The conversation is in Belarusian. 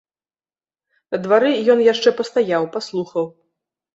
На двары ён яшчэ пастаяў, паслухаў.